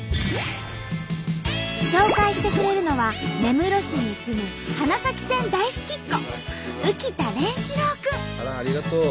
紹介してくれるのは根室市に住むあらありがとう！